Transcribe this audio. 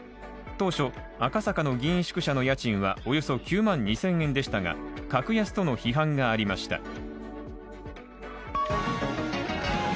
当初、赤坂の議員宿舎の家賃はおよそ９万２０００円でしたが格安との批判がありました。